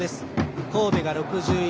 神戸が６１。